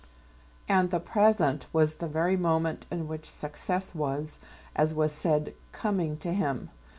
And the present was the very moment in which success was, as was said, coming to him.